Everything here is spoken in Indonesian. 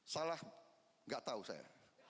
salah enggak tahu saya